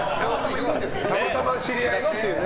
たまたま知り合いのというね。